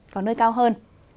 có nơi cao hơn